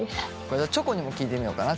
じゃあチョコにも聞いてみようかな。